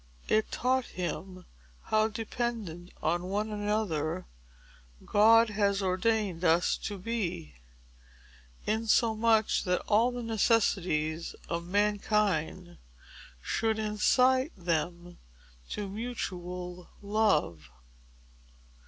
It taught him how dependent on one another God has ordained us to be; insomuch that all the necessities of mankind should incite them to mutual love.